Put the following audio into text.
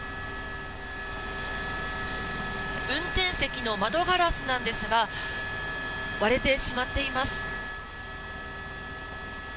運転席の窓ガラスなんですが割れてしまっています。